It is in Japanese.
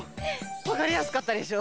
わかりやすかったでしょ？